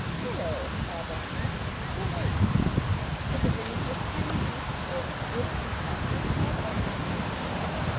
"Hallo, Arbuthnot. You're late. The divinity is ten deep in would be partners already."